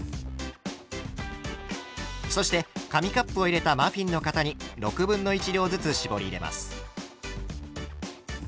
そして紙カップを入れたマフィンの型に６分の１量ずつ絞り入れます。